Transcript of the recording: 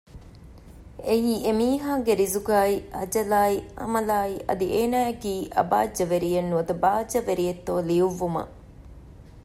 އެއީ އެ މީހާގެ ރިޒުގާއި އަޖަލާއި ޢަމަލާއި އަދި އޭނާއަކީ އަބާއްޖަވެރިއެއް ނުވަތަ ބާއްޖަވެރިއެއްތޯ ލިޔުއްވުމަށް